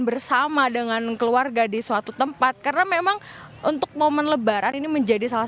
bersama dengan keluarga di suatu tempat karena memang untuk momen lebaran ini menjadi salah